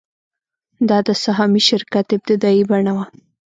دا د سهامي شرکت ابتدايي بڼه وه